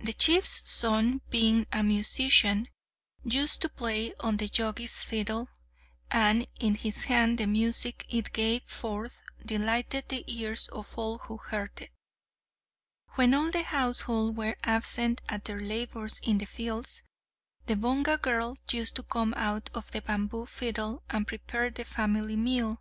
The chief's son, being a musician, used to play on the Jogi's fiddle, and in his hands the music it gave forth delighted the ears of all who heard it. When all the household were absent at their labours in the fields, the Bonga girl used to come out of the bamboo fiddle, and prepared the family meal.